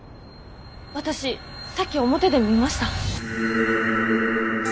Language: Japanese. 私さっき表で見ました。